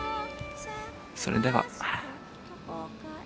それでは。